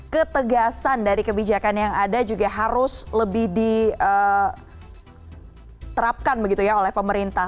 ketegasan dari kebijakan yang ada juga harus lebih diterapkan begitu ya oleh pemerintah